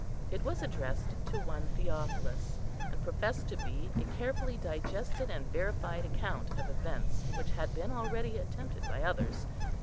It was addressed to one Theophilus, and professed to be a carefully digested and verified account of events which had been already attempted by others.